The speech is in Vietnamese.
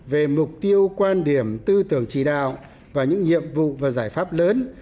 về mục tiêu quan điểm tư tưởng chỉ đạo và những nhiệm vụ và giải pháp lớn